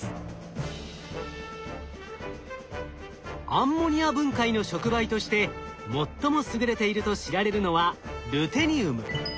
アンモニア分解の触媒として最も優れていると知られるのはルテニウム。